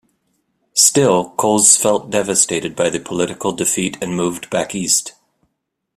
Still, Coles felt devastated by the political defeat, and moved back east.